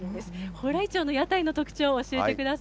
蓬莱町の屋台の特徴を教えてくだ